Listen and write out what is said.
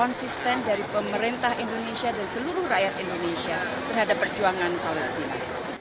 konsisten dari pemerintah indonesia dan seluruh rakyat indonesia terhadap perjuangan palestina